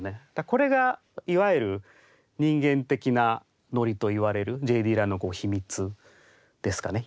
これがいわゆる人間的なノリといわれるＪ・ディラの秘密ですかね。